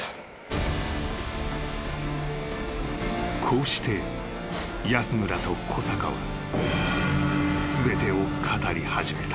［こうして安村と小坂は全てを語り始めた］